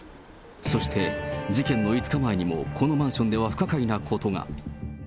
そして事件の５日前にも、このマンションでは不可解なことが。